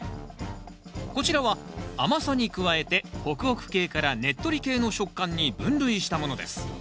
こちらは甘さに加えてホクホク系からねっとり系の食感に分類したものです。